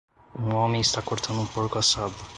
Um homem está cortando um porco assado.